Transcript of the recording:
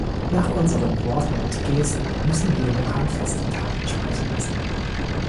Nach unseren Worten und Gesten müssen wir jedoch handfeste Taten sprechen lassen.